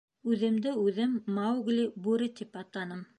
— Үҙемде үҙем Маугли-Бүре тип атаным.